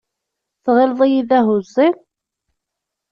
Tɣilleḍ-iyi d ahuẓẓi?